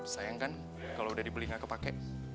sayang kan kalo udah dibeli gak kepake